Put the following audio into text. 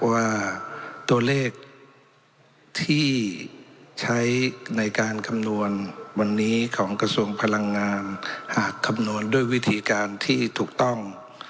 ว่าตัวเลขที่ใช้ในการคำนวณวันนี้ของกระทรวงพลังงานหากคำนวณด้วยวิธีการที่ถูกต้อง